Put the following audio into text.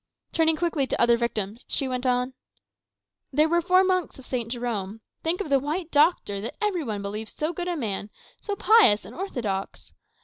Turning quickly to other victims, she went on "There were four monks of St. Jerome. Think of the White Doctor, that every one believed so good a man, so pious and orthodox!